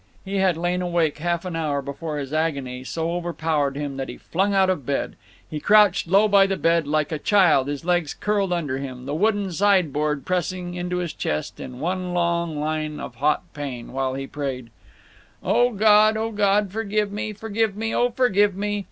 He had lain awake half an hour before his agony so overpowered him that he flung out of bed. He crouched low by the bed, like a child, his legs curled under him, the wooden sideboard pressing into his chest in one long line of hot pain, while he prayed: "O God, O God, forgive me, forgive me, oh, forgive me!